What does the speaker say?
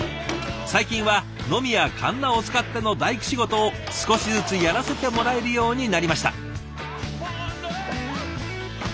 最近はノミやカンナを使っての大工仕事を少しずつやらせてもらえるようになりました。